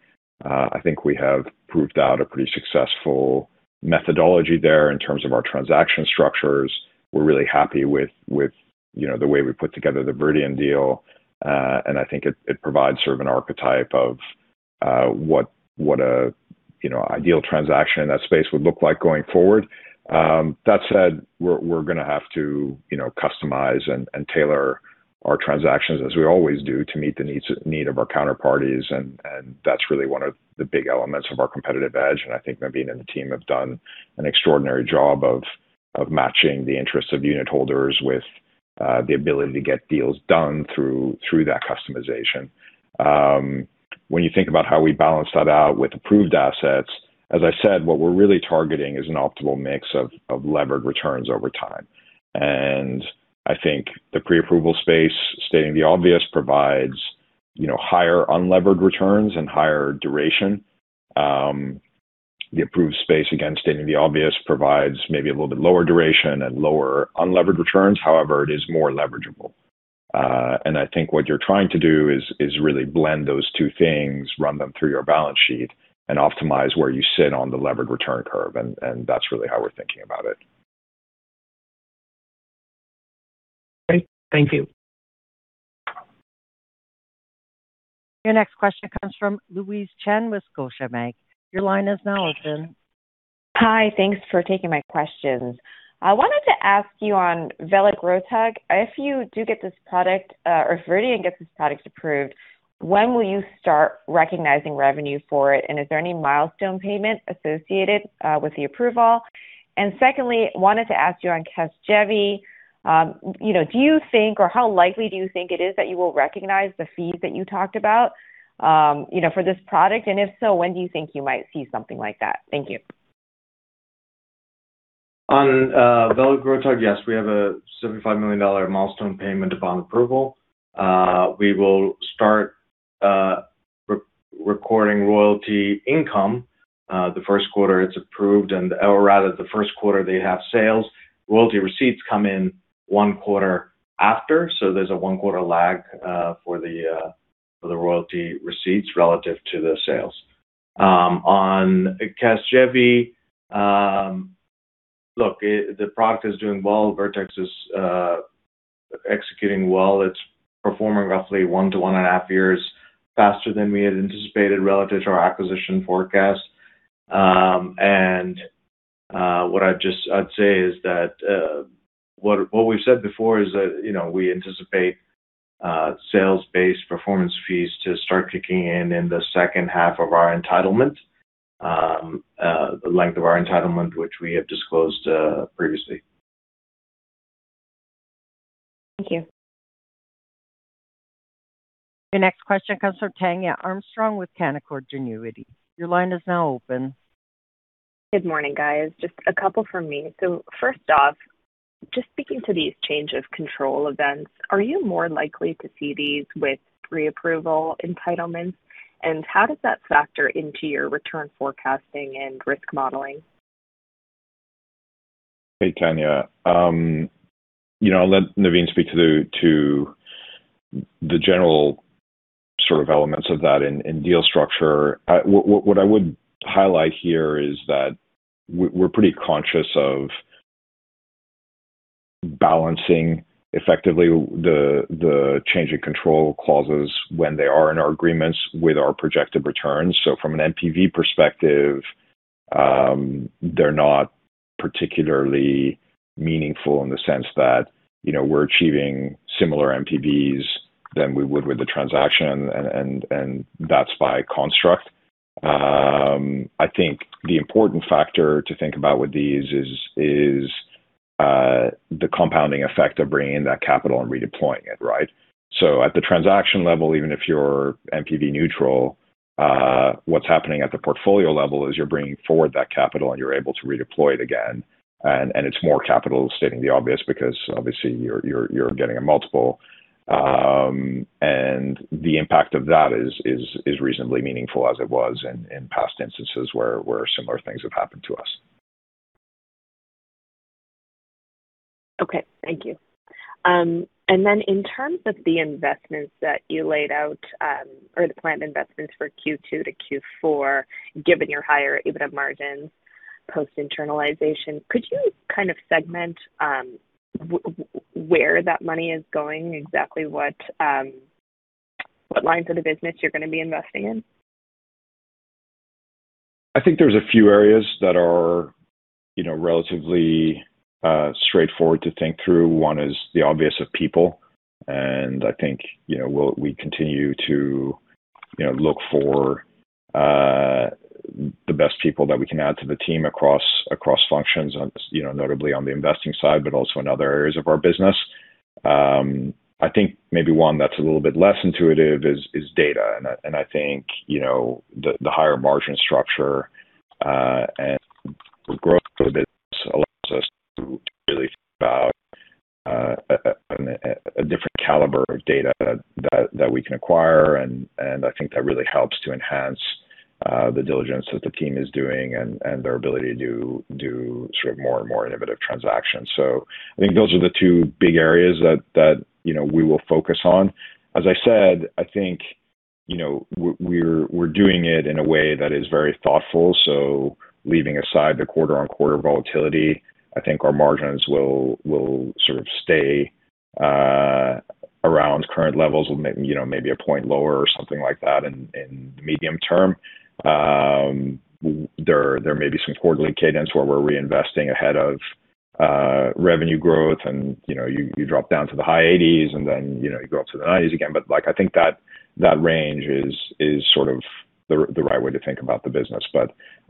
I think we have proved out a pretty successful methodology there in terms of our transaction structures. We're really happy with, you know, the way we put together the Viridian deal. I think it provides sort of an archetype of what a, you know, ideal transaction in that space would look like going forward. That said, we're gonna have to, you know, customize and tailor our transactions as we always do to meet the need of our counterparties, and that's really one of the big elements of our competitive edge, and I think Navin and the team have done an extraordinary job of matching the interests of unitholders with the ability to get deals done through that customization. When you think about how we balance that out with approved assets, as I said, what we're really targeting is an optimal mix of levered returns over time. I think the pre-approval space, stating the obvious, provides, you know, higher unlevered returns and higher duration. The approved space, again, stating the obvious, provides maybe a little bit lower duration and lower unlevered returns. However, it is more leverageable. And I think what you're trying to do is really blend those two things, run them through your balance sheet, and optimize where you sit on the levered return curve, and that's really how we're thinking about it. Great. Thank you. Your next question comes from Louise Chen with Scotiabank. Your line is now open. Hi. Thanks for taking my questions. I wanted to ask you on veligrotug, if you do get this product, or if Viridian gets this product approved, when will you start recognizing revenue for it? Is there any milestone payment associated with the approval? Secondly, wanted to ask you on CASGEVY, you know, do you think or how likely do you think it is that you will recognize the fees that you talked about, you know, for this product? If so, when do you think you might see something like that? Thank you. On veligrotug, yes, we have a $75 million milestone payment upon approval. We will start recording royalty income the first quarter it's approved or rather the first quarter they have sales. Royalty receipts come in one quarter after, so there's a one-quarter lag for the royalty receipts relative to the sales. On CASGEVY, it the product is doing well. Vertex is executing well. It's performing roughly one to one and a half years faster than we had anticipated relative to our acquisition forecast. What I'd say is that you know, we anticipate sales-based performance fees to start kicking in in the second half of our entitlement, the length of our entitlement, which we have disclosed previously. Thank you. Your next question comes from Tania Armstrong with Canaccord Genuity. Your line is now open. Good morning, guys. Just a couple from me. First off, just speaking to these change of control events, are you more likely to see these with pre-approval entitlements? How does that factor into your return forecasting and risk modeling? Hey, Tania. you know, I'll let Navin speak to the, to the general sort of elements of that in deal structure. What I would highlight here is that we're pretty conscious of balancing effectively the change in control clauses when they are in our agreements with our projected returns. From an NPV perspective, they're not particularly meaningful in the sense that, you know, we're achieving similar NPVs than we would with the transaction and that's by construct. I think the important factor to think about with these is the compounding effect of bringing in that capital and redeploying it, right? At the transaction level, even if you're NPV neutral, what's happening at the portfolio level is you're bringing forward that capital, and you're able to redeploy it again. It's more capital, stating the obvious, because obviously you're getting a multiple. The impact of that is reasonably meaningful as it was in past instances where similar things have happened to us. Thank you. In terms of the investments that you laid out, or the planned investments for Q2 to Q4, given your higher EBITDA margins, post-internalization, could you kind of segment where that money is going, exactly what lines of the business you're gonna be investing in? I think there's a few areas that are, you know, relatively straightforward to think through. One is the obvious of people. I think, you know, we continue to, you know, look for the best people that we can add to the team across functions, you know, notably on the investing side, but also in other areas of our business. I think maybe one that's a little bit less intuitive is data. I think, you know, the higher margin structure and growth of the business allows us to really think about a different caliber of data that we can acquire, and I think that really helps to enhance the diligence that the team is doing and their ability to do sort of more innovative transactions. I think those are the two big areas that, you know, we will focus on. As I said, I think, you know, we're doing it in a way that is very thoughtful. Leaving aside the quarter-on-quarter volatility, I think our margins will sort of stay around current levels or you know, maybe a point lower or something like that in the medium term. There may be some quarterly cadence where we're reinvesting ahead of revenue growth and, you know, you drop down to the high 80%s and then, you know, you go up to the 90%s again. Like, I think that range is sort of the right way to think about the business.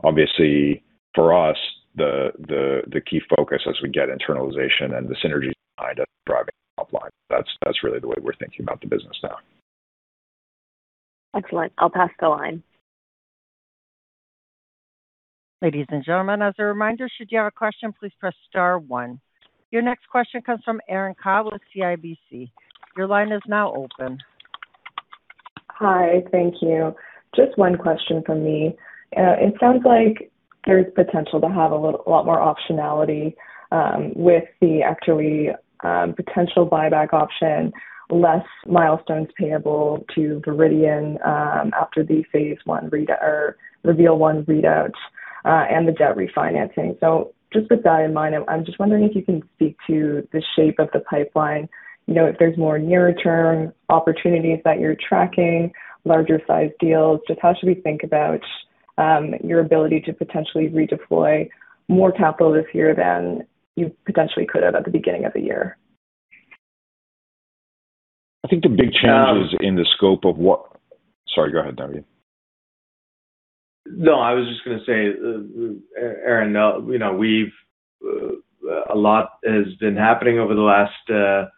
Obviously for us, the key focus as we get internalization and the synergies behind us driving top line, that's really the way we're thinking about the business now. Excellent. I'll pass the line. Ladies and gentlemen, as a reminder, should you have a question, please press star one. Your next question comes from Erin Kyle with CIBC. Your line is now open. Hi. Thank you. Just one question from me. It sounds like there's potential to have a lot more optionality with the actually potential buyback option, less milestones payable to Viridian after the phase I REVEAL-1 readout. The debt refinancing. Just with that in mind, I'm just wondering if you can speak to the shape of the pipeline, you know, if there's more near-term opportunities that you're tracking, larger sized deals. Just how should we think about your ability to potentially redeploy more capital this year than you potentially could have at the beginning of the year? I think the big change is in the scope of what, sorry, go ahead, Navin. No, I was just gonna say, Erin, you know, we've, a lot has been happening over the last,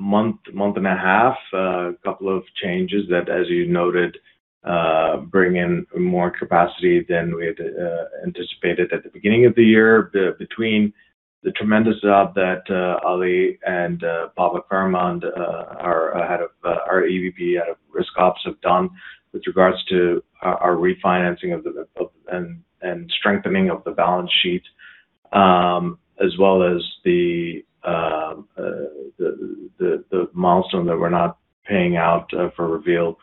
month and a half. A couple of changes that, as you noted, bring in more capacity than we had anticipated at the beginning of the year. Between the tremendous job that Ali and Babak Farahmand our EVP Head of Risk Ops have done with regards to our refinancing of the and strengthening of the balance sheet, as well as the milestone that we're not paying out for REVEAL,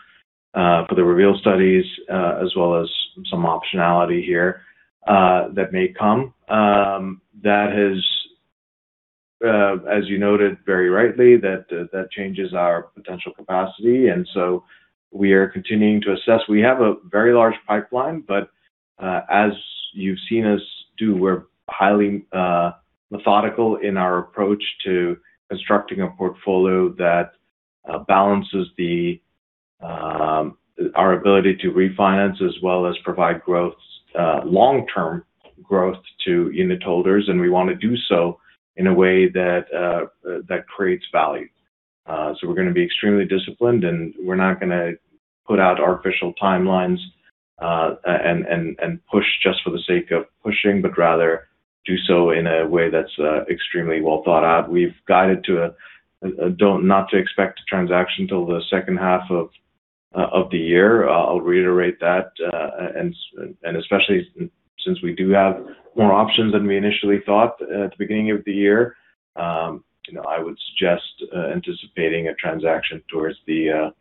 for the REVEAL studies, as well as some optionality here that may come. That has, as you noted very rightly, that changes our potential capacity, we are continuing to assess. We have a very large pipeline, but as you've seen us do, we're highly methodical in our approach to constructing a portfolio that balances the our ability to refinance as well as provide growth, long-term growth to unit holders, and we want to do so in a way that creates value. We're going to be extremely disciplined, and we're not going to put out artificial timelines, and push just for the sake of pushing, but rather do so in a way that is extremely well thought out. We've guided not to expect a transaction until the second half of the year. I'll reiterate that, and especially since we do have more options than we initially thought at the beginning of the year, you know, I would suggest anticipating a transaction towards the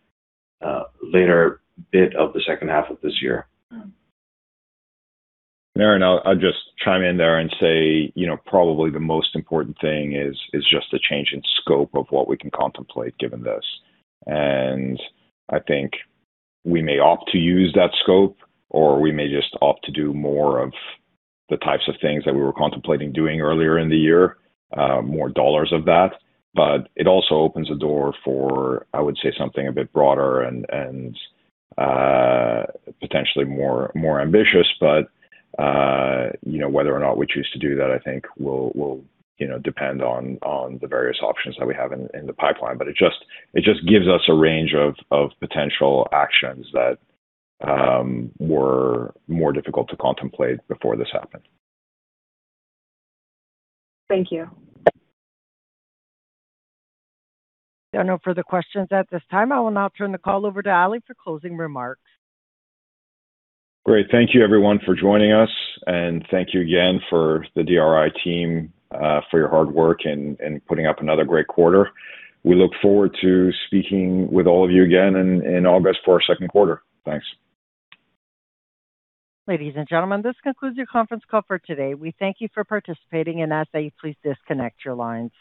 later bit of the second half of this year. Erin, I'll just chime in there and say, you know, probably the most important thing is just a change in scope of what we can contemplate given this. I think we may opt to use that scope, or we may just opt to do more of the types of things that we were contemplating doing earlier in the year, more dollars of that. It also opens the door for, I would say, something a bit broader and potentially more ambitious. You know, whether or not we choose to do that, I think, will, you know, depend on the various options that we have in the pipeline. It just gives us a range of potential actions that were more difficult to contemplate before this happened. Thank you. There are no further questions at this time. I will now turn the call over to Ali for closing remarks. Great. Thank you everyone for joining us, and thank you again for the DRI team for your hard work and putting up another great quarter. We look forward to speaking with all of you again in August for our second quarter. Thanks. Ladies and gentlemen, this concludes your conference call for today. We thank you for participating and ask that you please disconnect your lines.